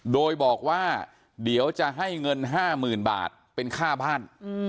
โดยบอกว่าเดี๋ยวจะให้เงิน๕๐๐๐บาทเป็นค่าบ้าน